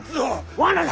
罠だ！